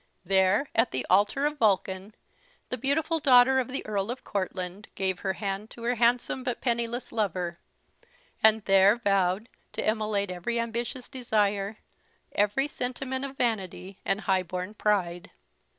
There, at the altar of Vulcan, the beautiful daughter of the Earl of Courtland gave her hand to her handsome but penniless lover; and there vowed to immolate every ambitious desire, every sentiment of vanity and high born pride.